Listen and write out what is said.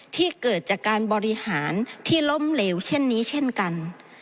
ที่เกิดจากการบริหารที่ล้มเหลวเช่นนี้เช่นกัน